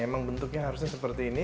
emang bentuknya harusnya seperti ini